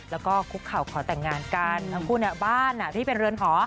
แล้วก็คุกเข่าขอแต่งงานกันทั้งคู่เนี่ยบ้านที่เป็นเรือนหอ